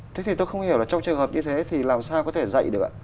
thế thì tôi không hiểu là trong trường hợp như thế thì làm sao có thể dạy được ạ